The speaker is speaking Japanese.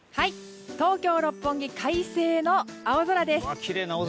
東京・六本木快晴の青空です。